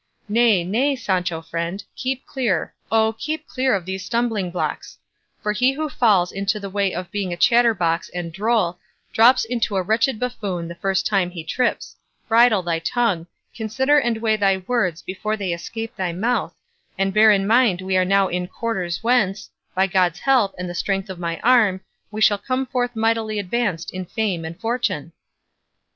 Nay, nay, Sancho friend, keep clear, oh, keep clear of these stumbling blocks; for he who falls into the way of being a chatterbox and droll, drops into a wretched buffoon the first time he trips; bridle thy tongue, consider and weigh thy words before they escape thy mouth, and bear in mind we are now in quarters whence, by God's help, and the strength of my arm, we shall come forth mightily advanced in fame and fortune."